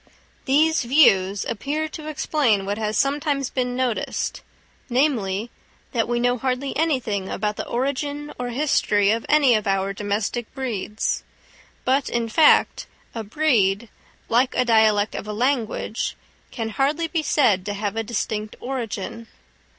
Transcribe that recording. These views appear to explain what has sometimes been noticed, namely, that we know hardly anything about the origin or history of any of our domestic breeds. But, in fact, a breed, like a dialect of a language, can hardly be said to have a distinct origin.